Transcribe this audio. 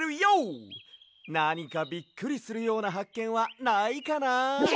なにかびっくりするようなはっけんはないかな。